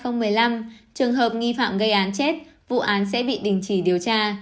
năm hai nghìn một mươi năm trường hợp nghi phạm gây án chết vụ án sẽ bị đình chỉ điều tra